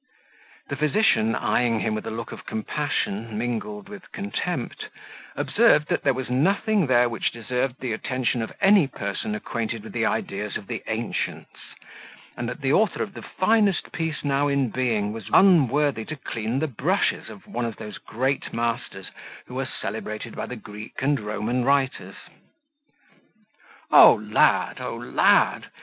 The physician, eyeing him with a look of compassion, mingled with contempt, observed that there was nothing there which deserved the attention of any person acquainted with the ideas of the ancients; and that the author of the finest piece now in being was unworthy to clean the brushes of one of those great masters who are celebrated by the Greek and Roman writers. "O lad! O lad!"